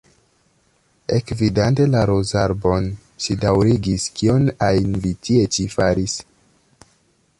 Ekvidante la rozarbon, ŝi daŭrigis: "Kion ajn vi tie ĉi faris?"